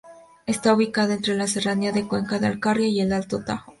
Está ubicado entre la serranía de Cuenca, la Alcarria y el Alto Tajo.